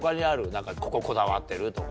何かこここだわってるとか。